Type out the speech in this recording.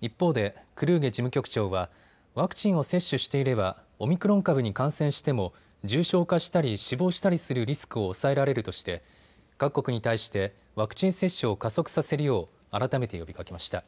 一方でクルーゲ事務局長はワクチンを接種していればオミクロン株に感染しても重症化したり死亡したりするリスクを抑えられるとして各国に対してワクチン接種を加速させるよう改めて呼びかけました。